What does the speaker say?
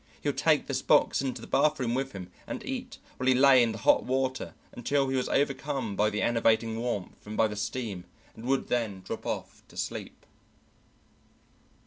He would take this box into the bathroom with him and eat while he lay in the hot water until he was overcome by the enervating warmth and by the steam and would then drop off to sleep.